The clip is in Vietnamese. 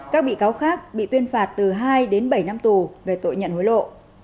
các bị cáo khác bị tuyên phạt từ hai đến bảy năm tù về tội nhận hối lộ